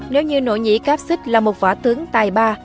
nếu như nỗ nhĩ cáp xích là một võ tướng tài ba